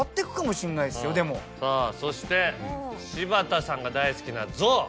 さぁそして柴田さんが大好きなゾウ。